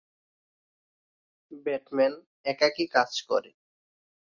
Batman একাকী কাজ করে।